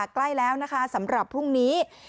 ใกล้แล้วนะคะสำหรับพรุ่งนี้